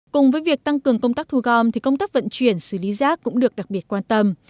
cùng với việc tăng cường công tác thu gom thì công tác vận chuyển xử lý rác cũng được đặc biệt quan tâm